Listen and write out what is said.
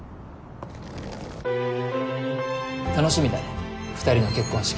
楽しみだね２人の結婚式。